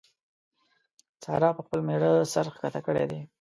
سارا پر خپل مېړه سر کښته کړی دی.